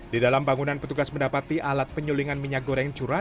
di dalam bangunan petugas mendapati alat penyulingan minyak goreng curah